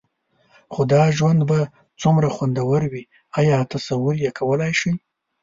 خو دا ژوند به څومره خوندور وي؟ ایا تصور یې کولای شئ؟